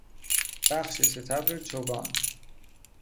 بخش ستبر چوگان